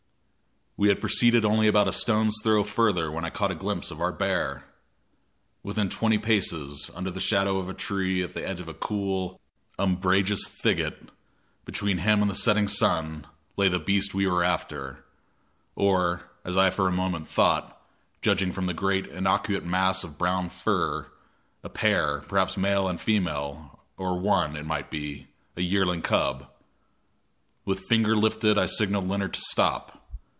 We had proceeded only about a stone's throw further when I caught a glimpse of our bear. Within twenty paces, under the shadow of a tree at the edge of a cool, umbrageous thicket, between him and the setting sun, lay the beast we were after; or, as I for a moment thought, judging from the great inchoate mass of brown fur, a pair, perhaps male and female, or one, it might be, a yearling cub. With finger lifted I signaled Leonard to stop.